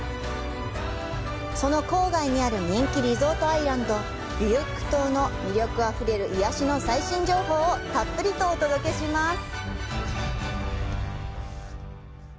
その郊外にある人気リゾートアイランドビュユック島の魅力あふれる癒しの最新情報をたっぷりとお届けします！